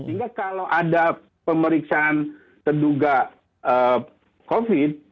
sehingga kalau ada pemeriksaan terduga covid